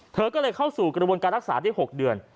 เธอก็เลยเข้าสู่กระบวนการรักษาได้๖เดือน